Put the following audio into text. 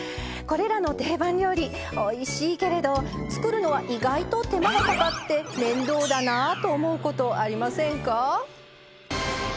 これらの定番料理おいしいけれど作るのは意外と手間がかかって面倒だなと思うことありませんか？